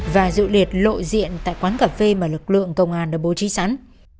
và dự liệt lộ diện tại quán cà phê mà lực lượng công an đã bố trí sẵn